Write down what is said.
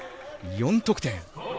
４得点。